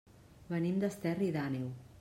Venim d'Esterri d'Àneu.